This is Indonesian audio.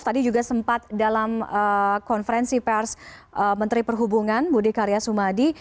tadi juga sempat dalam konferensi pers menteri perhubungan budi karya sumadi